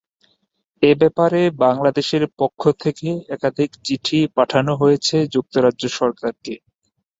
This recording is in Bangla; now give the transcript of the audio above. এ ব্যাপারে বাংলাদেশের পক্ষ থেকে একাধিক চিঠি পাঠানো হয়েছে যুক্তরাজ্য সরকারকে।